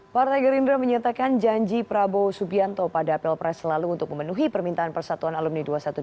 partai gerindra menyatakan janji prabowo subianto pada pilpres lalu untuk memenuhi permintaan persatuan alumni dua ratus dua belas